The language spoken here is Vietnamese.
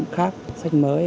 khác sách mới